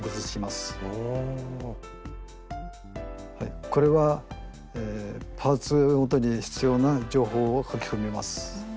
スタジオはいこれはパーツをもとに必要な情報を書き込みます。